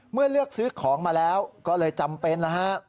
เมื่อเลือกซื้อของมาแล้วก็เลยจำเป็นแล้วฮะ